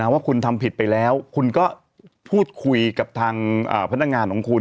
ว่าคุณทำผิดไปแล้วคุณก็พูดคุยกับทางพนักงานของคุณ